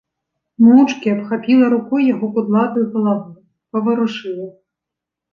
Моўчкі абхапіла рукой яго кудлатую галаву, паварушыла.